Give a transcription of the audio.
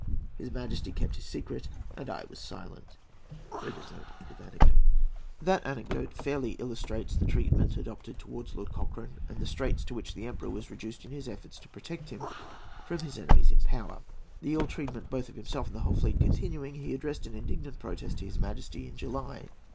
His Majesty kept his secret, and I was silent." That anecdote fairly illustrates the treatment adopted towards Lord Cochrane, and the straits to which the Emperor was reduced in his efforts to protect him from his enemies in power. The ill treatment both of himself and of the whole fleet continuing, he addressed an indignant protest to his Majesty in July.